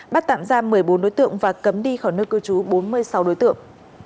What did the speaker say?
bắt tạm ra một mươi bốn đối tượng và cấm đi khỏi nơi cư trú bốn mươi sáu đối tượng